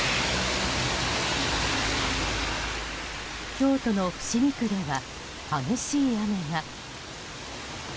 京都の伏見区では激しい雨が。